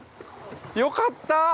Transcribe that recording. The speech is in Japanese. よかった。